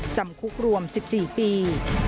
จำคุกรวม๑๔ปี